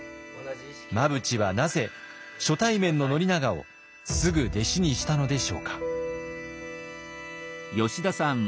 真淵はなぜ初対面の宣長をすぐ弟子にしたのでしょうか？